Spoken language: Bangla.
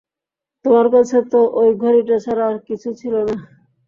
তোমার কাছে তো ঐ ঘড়িটা ছাড়া আর কিছু ছিল না।